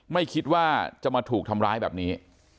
ไม่คิดว่าจะมาถูกทำร้ายแบบนี้